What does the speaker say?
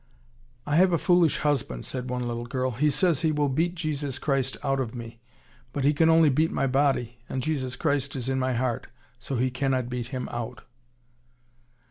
"I have a foolish husband," said one little girl, "He says he will beat Jesus Christ out of me, but he can only beat my body, and Jesus Christ is in my heart, so he cannot beat Him out."